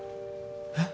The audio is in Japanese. えっ？